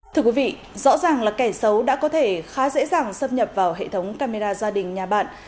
thưa quý vị rõ ràng là kẻ xấu đã có thể khá dễ dàng xâm nhập vào hệ thống camera gia đình nhà bạn